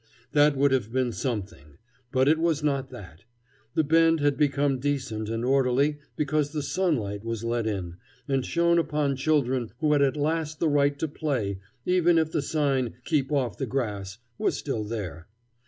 That would have been something; but it was not that. The Bend had become decent and orderly because the sunlight was let in, and shone upon children who had at last the right to play, even if the sign "keep off the grass" was still there.